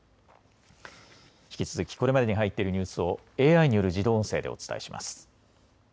引き続きこれまでに入っているニュースをＡＩによる自動音声でお伝えします。